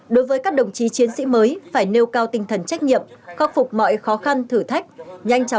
đối với các đồng chí chiến sĩ mới phải nêu cao tinh thần trách nhiệm khắc phục mọi khó khăn thử thách